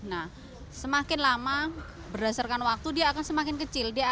nah semakin lama berdasarkan waktu dia akan semakin kecil